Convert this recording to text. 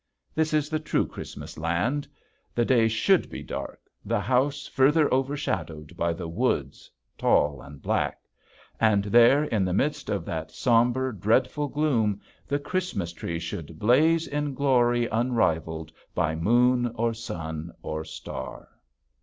This is the true Christmas land. The day should be dark, the house further overshadowed by the woods, tall and black. And there in the midst of that somber, dreadful gloom the Christmas tree should blaze in glory unrivaled by moon or sun or star.